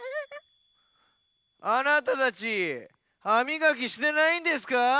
あなたたちはみがきしてないんですか？